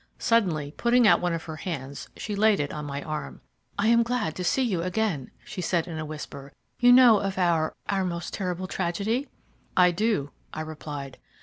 Suddenly putting out one of her hands, she laid it on my arm. "I am glad to see you again," she said, in a whisper. "You know of our our most terrible tragedy? "I do," I replied.